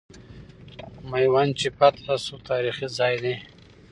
میوند چې فتح سو، تاریخي ځای دی.